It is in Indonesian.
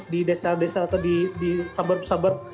di desa desa atau di suburb suburb